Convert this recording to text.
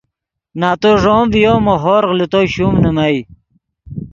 نتو ݱوم ڤیو مو ہورغ لے تو شوم نیمئے